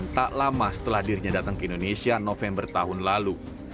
tak lama setelah dirinya datang ke indonesia november tahun lalu